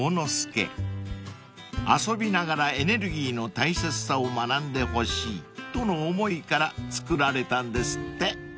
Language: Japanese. ［遊びながらエネルギーの大切さを学んでほしいとの思いから造られたんですって］